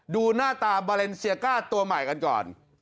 ดูหน้าตาบาเลนเซียก้าตัวใหม่กันก่อน